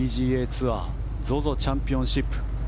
ツアーＺＯＺＯチャンピオンシップ。